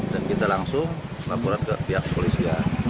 dan kita langsung melapor ke pihak polisi